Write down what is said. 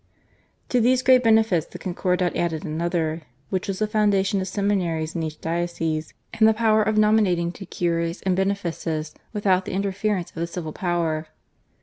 To these great benefits the Concordat added another, which was the foundation of seminaries in each diocese and the power of nominating to cures and benefices without the interference of the civil power.